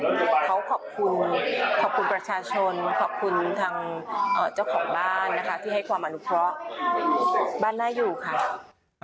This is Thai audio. ขอบคุณทางเจ้าของบ้านที่ให้ความอนุพร้อม